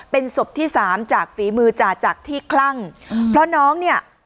เป็นศพที่สามจากฝีมือจ่าจักรที่คลั่งเพราะน้องเนี่ย